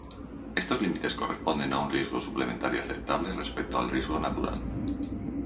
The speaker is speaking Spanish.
Estos límites corresponden a un riesgo suplementario aceptable respecto al riesgo natural.